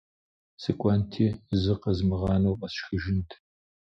Сыкӏуэнти зы къэзмыгъанэу фӏэсшхыжынт.